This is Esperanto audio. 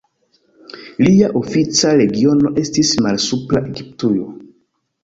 Lia ofica regiono estis Malsupra Egiptujo.